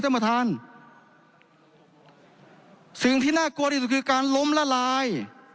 ท่านประธานสิ่งที่น่ากลัวที่สุดคือการล้มละลาย